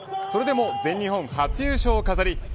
それでも全日本初優勝を飾り